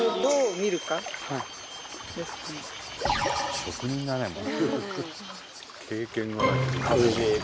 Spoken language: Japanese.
職人だね。